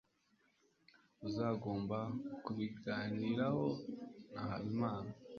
uzagomba kubiganiraho na habimana